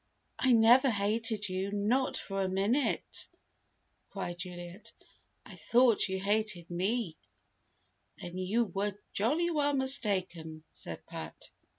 "I never hated you not for a minute!" cried Juliet. "I thought you hated me!" "Then you were jolly well mistaken," said Pat.